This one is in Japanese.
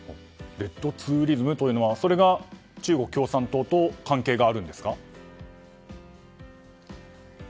レッドツーリズムというのはそれが中国共産党と関係があるんですか？